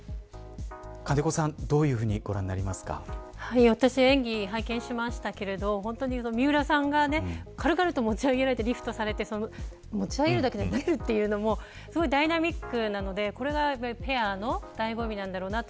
金子さんどういうふうにご覧に私、演技拝見しましたけど三浦さんが軽々と持ち上げられてリフトされて持ち上げるだけでなくて投げるというのもすごいダイナミックなのでこれがペアの醍醐味なんだろうなと。